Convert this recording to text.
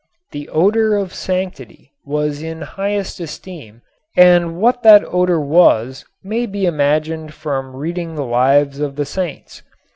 "The odor of sanctity" was in highest esteem and what that odor was may be imagined from reading the lives of the saints.